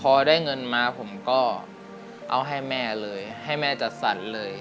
พอได้เงินมาผมก็เอาให้แม่เลยให้แม่จัดสรรเลย